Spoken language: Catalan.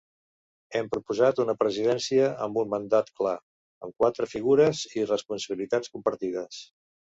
Hem proposat una presidència amb un mandat clar, amb quatre figures i responsabilitats compartides.